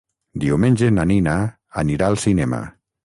Diumenge na Nina anirà al cinema.